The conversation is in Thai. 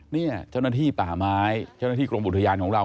เนี่ยเจ้าหน้าที่ป่าไม้เจ้าหน้าที่กรมอุทยานของเรา